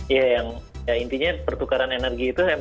iya yang intinya pertukaran energi itu emang ada